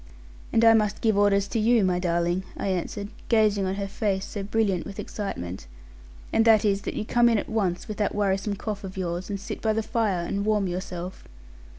'And I must give orders to you, my darling,' I answered, gazing on her face, so brilliant with excitement; 'and that is, that you come in at once, with that worrisome cough of yours; and sit by the fire, and warm yourself.'